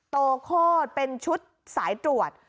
โตโคตรเป็นชุดสายตรวจ